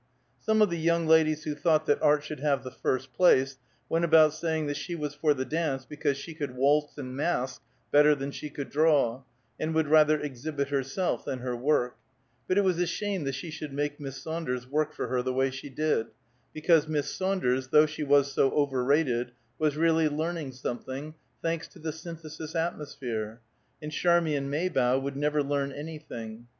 Some of the young ladies who thought that art should have the first place, went about saying that she was for the dance because she could waltz and mask better than she could draw, and would rather exhibit herself than her work, but it was a shame that she should make Miss Saunders work for her the way she did, because Miss Saunders, though she was so overrated, was really learning something, thanks to the Synthesis atmosphere; and Charmian Maybough would never learn anything.